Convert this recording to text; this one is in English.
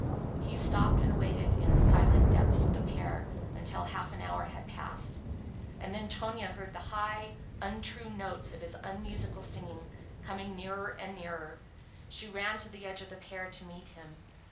He stopped and waited in the silent depths of the pear until half an hour had passed. And then Tonia heard the high, untrue notes of his unmusical singing coming nearer and nearer; and she ran to the edge of the pear to meet him.